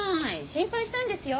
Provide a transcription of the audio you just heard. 心配したんですよ。